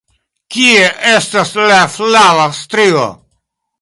Kie estas la flava strio?